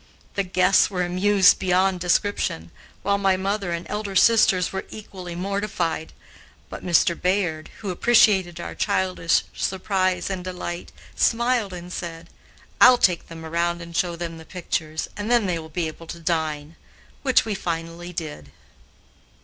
The guests were amused beyond description, while my mother and elder sisters were equally mortified; but Mr. Bayard, who appreciated our childish surprise and delight, smiled and said: "I'll take them around and show them the pictures, and then they will be able to dine," which we finally did.